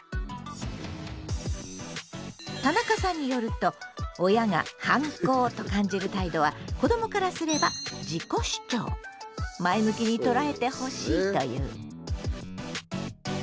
田中さんによると親が「反抗」と感じる態度は子どもからすれば前向きにとらえてほしいという。